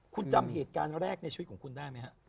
คุณจำเหตุการณ์แรกในชีวิตของคุณได้ไหมฮะ